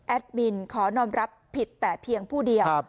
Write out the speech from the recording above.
มินขอนอมรับผิดแต่เพียงผู้เดียว